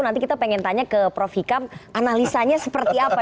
nanti kita pengen tanya ke prof hikam analisanya seperti apa